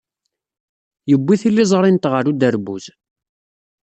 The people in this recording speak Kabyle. Yewwi tiliẓri-nteɣ ɣer uderbuz.